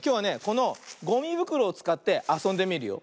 このごみぶくろをつかってあそんでみるよ。